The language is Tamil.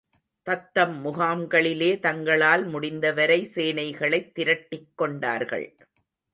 தத்தம் முகாம்களிலே தங்களால் முடிந்தவரை சேனைகளைத் திரட்டிக் கொண்டார்கள்.